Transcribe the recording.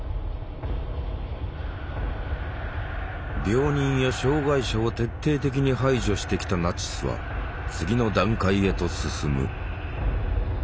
病人や障害者を徹底的に排除してきたナチスは次の段階へと進む。